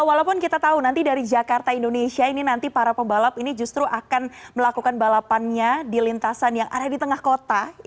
walaupun kita tahu nanti dari jakarta indonesia ini nanti para pembalap ini justru akan melakukan balapannya di lintasan yang ada di tengah kota